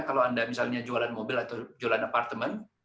kalau anda misalnya jualan mobil atau jualan apartemen